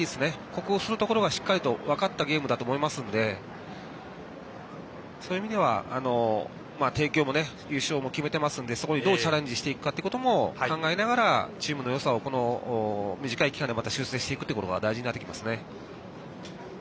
克服するところがしっかりと分かったゲームだと思いますのでそういう意味では帝京も優勝を決めていますのでそこにどうチャレンジしていくかということも考えながらチームのよさを、短い期間で修正していくというのが大事になっていきますね。